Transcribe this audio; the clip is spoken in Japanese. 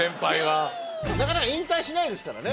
なかなか引退しないですからね。